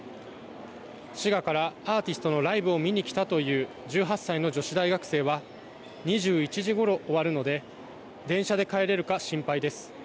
滋賀からアーティストのライブを見に来たという１８歳の女子大学生は２１時ごろ終わるので電車で帰れるか心配です。